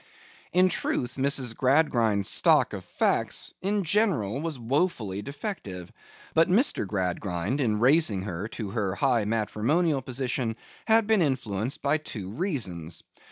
In truth, Mrs. Gradgrind's stock of facts in general was woefully defective; but Mr. Gradgrind in raising her to her high matrimonial position, had been influenced by two reasons.